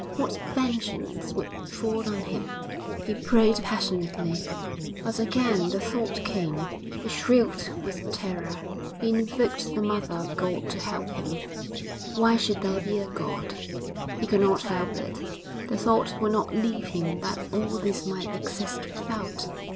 What vengeance would fall on him? He prayed passionately. But again the thought came; he shrieked with terror, he invoked the Mother of God to help him. 'Why should there be a God?' He could not help it. The thought would not leave him that all this might exist without.